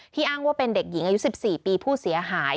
อ้างว่าเป็นเด็กหญิงอายุ๑๔ปีผู้เสียหาย